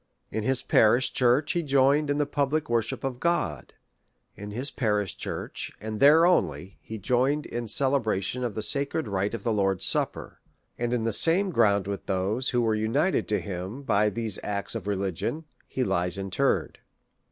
In his parish church he joined in the public wor ship of God ; in his parish church, and there only, he joined in celebration of the sacred rite of the Lord's Supper; and in the same ground with those, who were united to him by these acts of religion, he lies interred.